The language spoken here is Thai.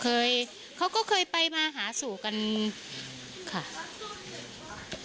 พุ่งเข้ามาแล้วกับแม่แค่สองคน